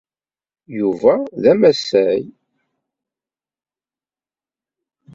Yuba d amasay.